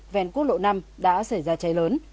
vèn quốc lộ năm đã xảy ra cháy lớn